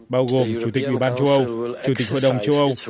bao gồm chủ tịch ủy ban châu âu chủ tịch hội đồng châu âu